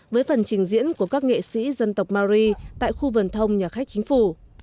với phần trình diễn của các nghệ sĩ dân tộc mari tại khu vườn thông nhà khách chính phủ